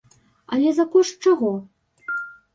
Але за кошт чаго?